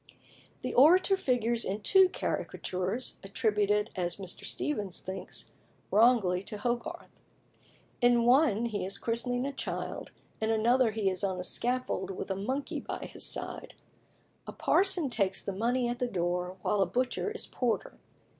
The Orator figures in two caricatures, attributed, as Mr. Steevens thinks, wrongly to Hogarth. In one he is christening a child; in another he is on a scaffold with a monkey by his side. A parson takes the money at the door, while a butcher is porter.